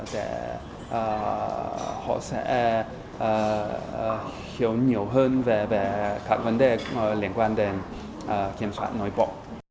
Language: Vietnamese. để họ sẽ thiếu nhiều hơn về các vấn đề liên quan đến kiểm soát nội bộ